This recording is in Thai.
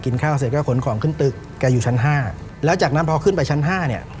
ข้าวเสร็จก็ขนของขึ้นตึกแกอยู่ชั้นห้าแล้วจากนั้นพอขึ้นไปชั้นห้าเนี่ย